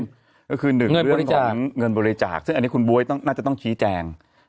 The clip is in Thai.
ก็คือหนึ่งเรื่องของเงินบริจาคซึ่งอันนี้คุณบ๊วยน่าจะต้องชี้แจง